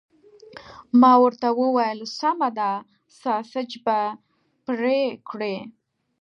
ما ورته وویل: سمه ده، ساسیج به پرې کړي؟